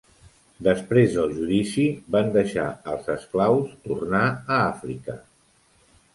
Després del judici, van deixar als esclaus tornar a Àfrica.